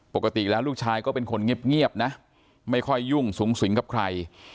ปกติแล้วลูกชายก็เป็นคนเงียบนะไม่ค่อยยุ่งสูงสิงกับใคร